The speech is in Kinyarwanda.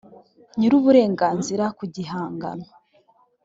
nyir uburenganzira ku gihangano